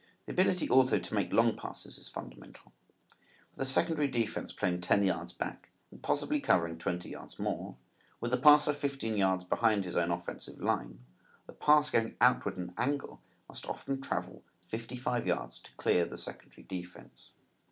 The ability also to make long passes is fundamental. With the secondary defense playing ten yards back and possibly covering twenty yards more, with the passer fifteen yards behind his own offensive line, the pass going outward at an angle must often travel fifty five yards to clear the secondary defense.